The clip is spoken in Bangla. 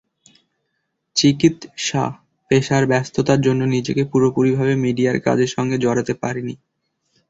চিকিত্সা পেশার ব্যস্ততার জন্য নিজেকে পুরোপুরিভাবে মিডিয়ার কাজের সঙ্গে জড়াতে পারিনি।